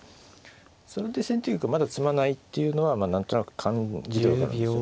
それで先手玉まだ詰まないっていうのは何となく感じで分かるんですよ。